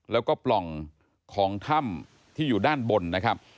แล้วก็ปล่องของถ้ำที่อยู่ด้านบนนะครับ